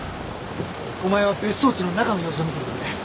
お前は別荘地の中の様子を見てきてくれ。